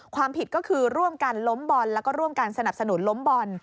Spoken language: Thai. ความผิดก็คือร่วมกันล้มบอลแล้วก็ร่วมกันสนับสนุนล้มบอล